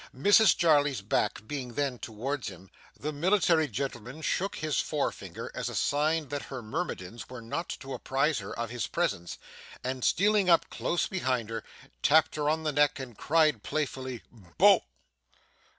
Mrs Jarley's back being then towards him, the military gentleman shook his forefinger as a sign that her myrmidons were not to apprise her of his presence, and stealing up close behind her, tapped her on the neck, and cried playfully 'Boh!